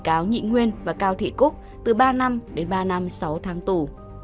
ba vị cáo nhị nguyên và cao thị cúc từ ba năm đến ba năm sáu tháng tù